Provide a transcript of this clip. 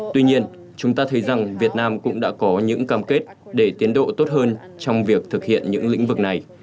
tuy nhiên chúng ta thấy rằng việt nam cũng đã có những cam kết để tiến độ tốt hơn trong việc thực hiện những lĩnh vực này